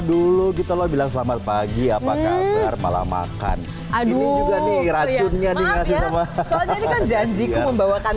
dulu gitu loh bilang selamat pagi apa kabar malam makan ini juga nih racunnya dikasih samakan